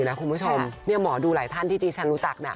เนี่ยหมอดูหลายท่านที่ที่ฉันรู้จักนะ